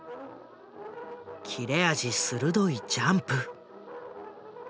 切れ味鋭いジャンプ。